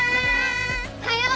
おはよう！